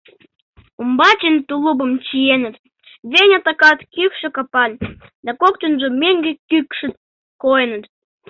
Умбачын тулупым чиеныт, Веня такат кӱкшӧ капан, да коктынжо меҥге кӱкшыт койыныт.